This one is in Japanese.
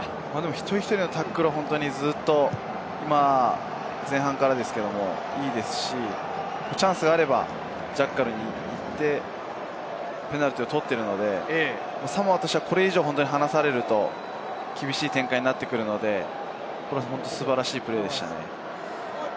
一人一人のタックルはずっと前半からいいですし、チャンスがあればジャッカルに行ってペナルティーを取っているので、サモアとしてはこれ以上離されると、厳しい展開になってくるので、これは素晴らしいプレーでしたね。